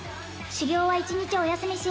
「修行は一日お休みし」